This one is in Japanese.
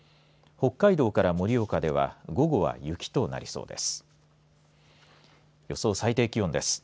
北海道から盛岡では午後は雪となりそうです。